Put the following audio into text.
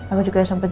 aku juga sempet